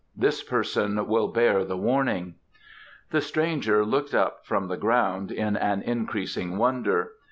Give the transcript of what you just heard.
This person will bear the warning." The stranger looked up from the ground in an increasing wonder.